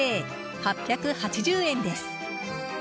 ８８０円です。